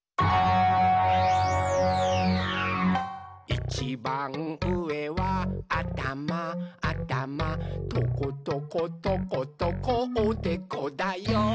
「いちばんうえはあたまあたまトコトコトコトコおでこだよ！」